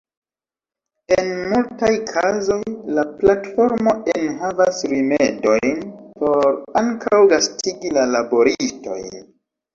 En multaj kazoj, la platformo enhavas rimedojn por ankaŭ gastigi la laboristojn.